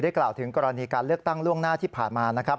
กล่าวถึงกรณีการเลือกตั้งล่วงหน้าที่ผ่านมานะครับ